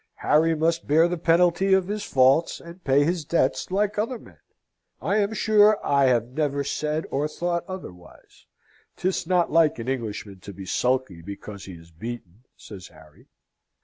"Harry must bear the penalty of his faults, and pay his debts, like other men." "I am sure I have never said or thought otherwise. 'Tis not like an Englishman to be sulky because he is beaten," says Harry.